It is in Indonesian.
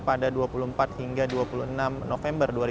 pada dua puluh empat hingga dua puluh enam november dua ribu dua puluh